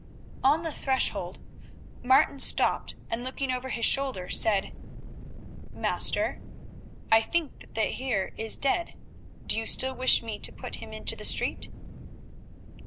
On the threshold Martin stopped, and looking over his shoulder said, "Master, I think that the Heer is dead, do you still wish me to put him into the street?"